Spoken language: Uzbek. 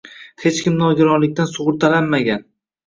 Hech kim nogironlikdan sug‘urtalanmagan